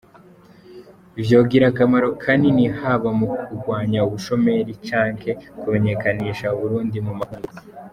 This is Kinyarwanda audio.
"Vyogira akamaro kanini haba mu kugwanya ubushomeri canke kumenyekanisha u Burundi mu makungu.